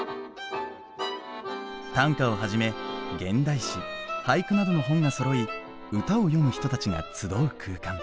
短歌をはじめ現代詩俳句などの本がそろい歌を詠む人たちが集う空間。